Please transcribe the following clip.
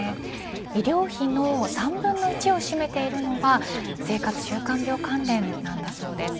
医療費の３分の１を占めているのは生活習慣病関連なんだそうです。